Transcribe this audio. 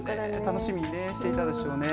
楽しみにしていたでしょうね。